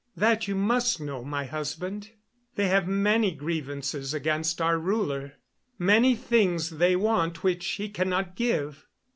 That you must know, my husband. They have many grievances against our ruler. Many things they want which he cannot give.